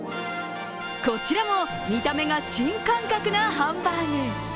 こちらも見た目が新感覚なハンバーグ。